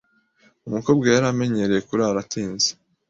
Umukobwa yari amenyereye kurara atinze.